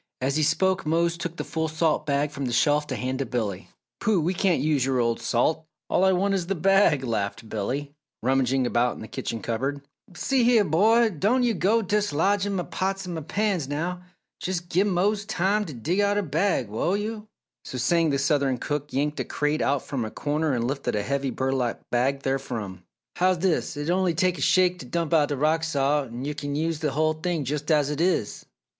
As he spoke Mose took the full salt bag from the shelf to hand to Billy. "Pooh! We can't use your old salt all I want is the bag!" laughed Billy, rummaging about in the kitchen cupboard. "See heah, Bo! don yo' go t' dislodgin' m' pots an' pans now! Jes' give Mose time t' dig out a bag, will yo'?" So saying, the southern cook yanked a crate out from a corner and lifted a heavy burlap bag therefrom. "How's dis? It'll onny take a shake t' dump out th' rock salt er kin yo' use the hull thing jus' as it is?"